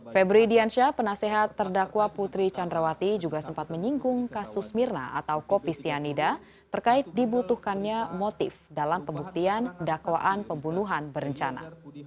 febri diansyah penasehat terdakwa putri candrawati juga sempat menyinggung kasus mirna atau kopi sianida terkait dibutuhkannya motif dalam pembuktian dakwaan pembunuhan berencana